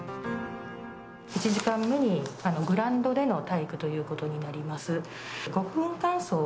１時間目にグラウンドでの体育ということになります。